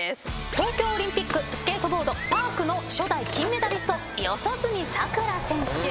東京オリンピックスケートボードパークの初代金メダリスト四十住さくら選手。